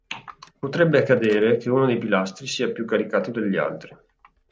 Potrebbe accadere che uno dei pilastri sia più caricato degli altri.